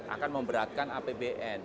akan memberatkan apbn